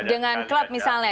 dengan klub misalnya